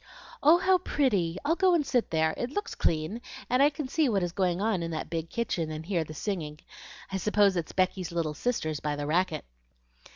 "Oh, how pretty! I'll go and sit there. It looks clean, and I can see what is going on in that big kitchen, and hear the singing. I suppose it's Becky's little sisters by the racket."